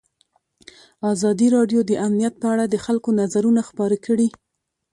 ازادي راډیو د امنیت په اړه د خلکو نظرونه خپاره کړي.